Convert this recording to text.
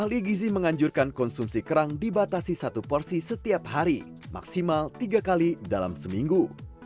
ahli gizi menganjurkan konsumsi kerang dibatasi satu porsi setiap hari maksimal tiga kali dalam seminggu